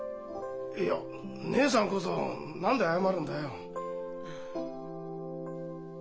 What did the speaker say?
いや義姉さんこそ何で謝るんだよ？